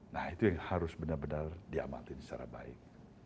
nah itu yang harus benar benar diamatin secara baik